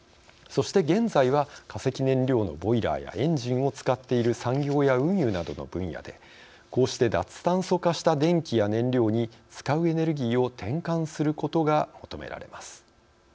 そして、現在は化石燃料のボイラーやエンジンを使っている産業や運輸などの分野でこうして脱炭素化した電気や燃料に使うエネルギーを転換することが求められます。